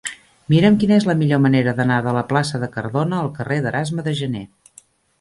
Mira'm quina és la millor manera d'anar de la plaça de Cardona al carrer d'Erasme de Janer.